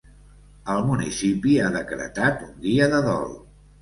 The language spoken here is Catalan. El municipi ha decretat un dia de dol.